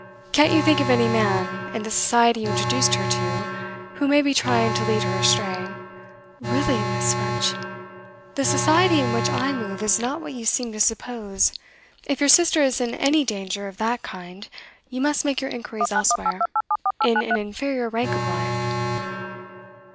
'Can't you think of any man, in the society you introduced her to, who may be trying to lead her astray?' 'Really, Miss. French! The society in which I move is not what you seem to suppose. If your sister is in any danger of that kind, you must make your inquiries elsewhere in an inferior rank of life.